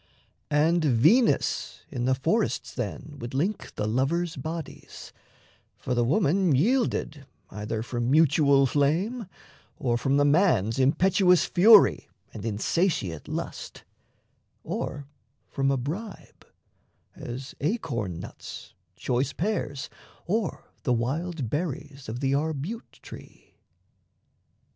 And Venus in the forests then would link The lovers' bodies; for the woman yielded Either from mutual flame, or from the man's Impetuous fury and insatiate lust, Or from a bribe as acorn nuts, choice pears, Or the wild berries of the arbute tree.